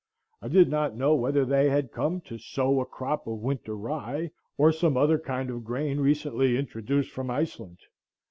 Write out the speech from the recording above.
I did not know whether they had come to sow a crop of winter rye, or some other kind of grain recently introduced from Iceland.